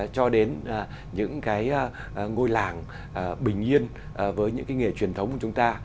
cho đến những cái ngôi làng bình yên với những cái nghề truyền thống của chúng ta